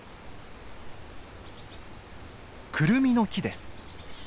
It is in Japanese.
クルミの木です。